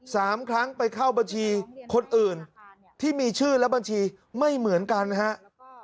สามครั้งไปเข้าบัญชีคนอื่นที่มีชื่อและบัญชีไม่เหมือนกันครับ